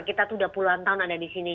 kita tuh udah puluhan tahun ada di sini